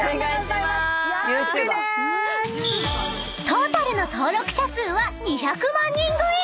［トータルの登録者数は２００万人超え！］